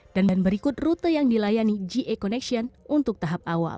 dan berikut rute yang dilayani ja connection untuk tahap awal